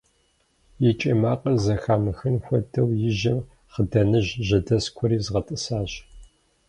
И кӀий макъыр зэхамыхын хуэдэу и жьэм хъыданыжь жьэдэскуэри згъэтӀысащ.